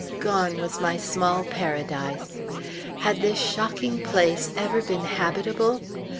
Gone was my small paradise! Had this shocking place ever been habitable?